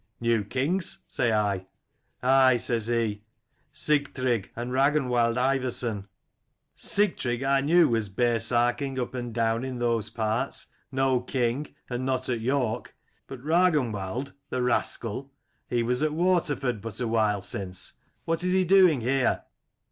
"' New kings?' say I. "'Aye,' says he: 'Sigtrygg and Ragnwald Ivarson.' "'What!' say I; ' Sigtrygg I knew was bearsarking up and down in those parts, no king, and not at York: but Ragnwald, the rascal, he was at Waterford but a while since : what is he doing here